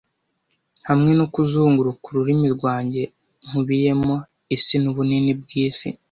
Hamwe no kuzunguruka ururimi rwanjye Nkubiyemo isi nubunini bwisi.